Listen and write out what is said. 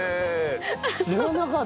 知らなかった。